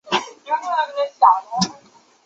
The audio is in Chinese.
边地兔儿风为菊科兔儿风属的植物。